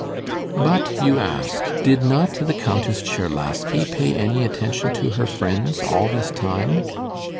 But, you ask, did not the Countess Czerlaski pay any attention to her friends all this time?